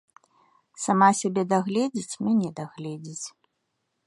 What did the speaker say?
Сама сябе дагледзіць, мяне дагледзіць.